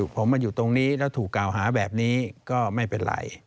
ผมมาอยู่ตรงนี้แล้วถูกกล่าวหาแบบนี้ก็ไม่เป็นไร